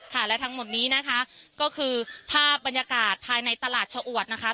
และทั้งหมดนี้นะคะก็คือภาพบรรยากาศภายในตลาดชะอวดนะคะ